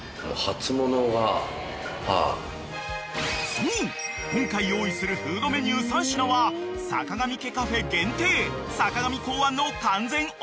［そう今回用意するフードメニュー３品はさかがみ家カフェ限定］